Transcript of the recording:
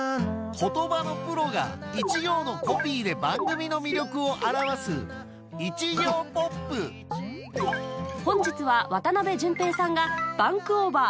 言葉のプロが一行のコピーで番組の魅力を表す本日は渡辺潤平さんが『バンクオーバー！